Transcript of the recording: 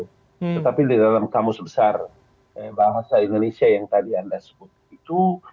tetapi di dalam kamus besar bahasa indonesia yang tadi anda sebut itu